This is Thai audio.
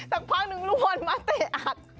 สักพันธุ์หนึ่งรวนมาเตะอัด